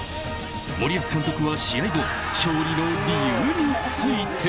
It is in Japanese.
森保監督は試合後、勝利の理由について。